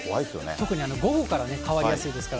特に午後から変わりやすいですから。